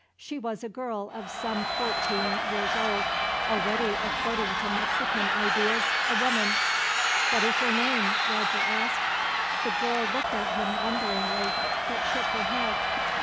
She was a girl of some fourteen years old, already, according to Mexican ideas, a woman. "What is your name?" Roger asked. The girl looked at him wonderingly, but shook her head.